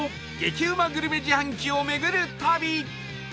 激うまグルメ自販機を巡る旅